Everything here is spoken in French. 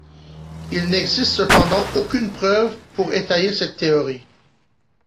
Il n'existe cependant aucune preuve pour étayer cette théorie.